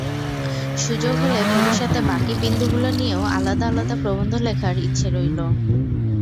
সুযোগ হলে ভবিষ্যতে বাকি বিন্দুগুলো নিয়েও আলাদা আলাদা প্রবন্ধ লেখার ইচ্ছে রইল।